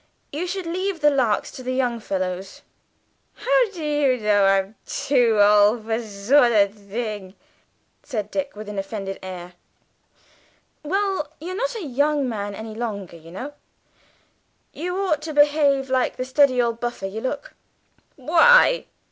You should leave the larks to the young fellows." "How do you know I'm too old for sorterthing?" said Dick, with an offended air. "Well, you're not a young man any longer, you know. You ought to behave like the steady old buffer you look." "Why?"